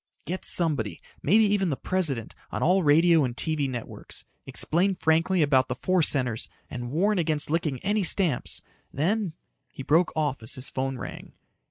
"Get somebody maybe even the President on all radio and TV networks. Explain frankly about the four centers and warn against licking any stamps. Then " He broke off as his phone rang.